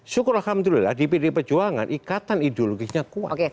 syukurlah alhamdulillah di pdp perjuangan ikatan ideologisnya kuat